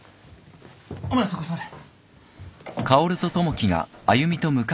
お前らそこ座れ。